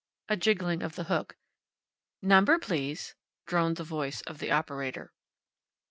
A jiggling of the hook. "Number, please?" droned the voice of the operator.